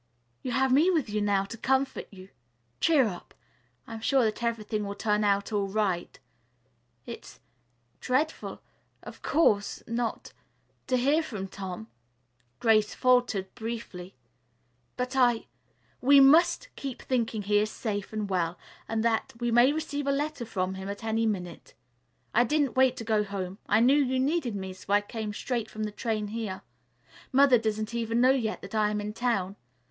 "You have me with you now to comfort you. Cheer up. I am sure that everything will turn out all right. It's dreadful of course not to hear from Tom," Grace faltered briefly, "but I we must keep thinking he is safe and well and that we may receive a letter from him at any minute. I didn't wait to go home. I knew you needed me, so I came straight from the train here. Mother doesn't even know yet that I am in town.